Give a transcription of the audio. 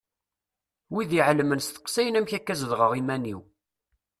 Wid iɛelmen steqsayen amek akka zedɣeɣ iman-iw.